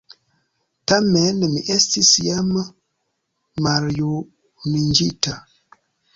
Tamen mi estis jam maljuniĝinta.